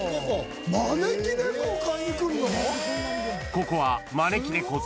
［ここは］